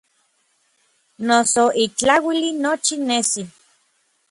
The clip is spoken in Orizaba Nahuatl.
Noso ik tlauili nochi nesi.